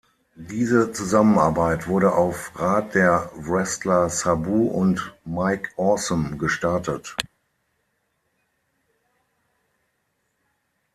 Diese Zusammenarbeit wurde auf Rat der Wrestler Sabu und Mike Awesome gestartet.